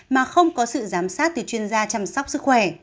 mà không có sự giám sát từ chuyên gia chăm sóc sức khỏe